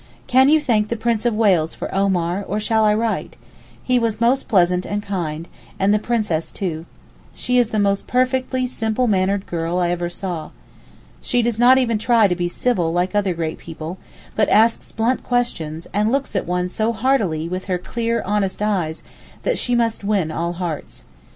Can you thank the Prince of Wales for Omar, or shall I write? He was most pleasant and kind, and the Princess too. She is the most perfectly simple mannered girl I ever saw. She does not even try to be civil like other great people, but asks blunt questions, and looks at one so heartily with her clear, honest eyes, that she must win all hearts.